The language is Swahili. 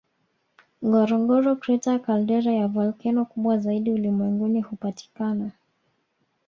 Ngorongoro Crater caldera ya volkeno kubwa zaidi ulimwenguni hupatikana